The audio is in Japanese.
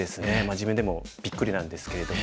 自分でもびっくりなんですけれども。